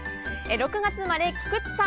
６月生まれ、菊地さん。